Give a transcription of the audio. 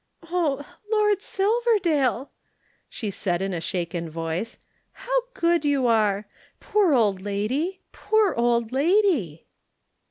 "Oh, Lord Silverdale!" she said in a shaken voice. "How good you are! Poor old lady! Poor old lady!"